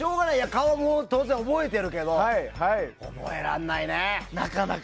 顔も当然覚えてるけど覚えられないね。